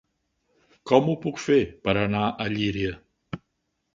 Com ho puc fer per anar a Llíria?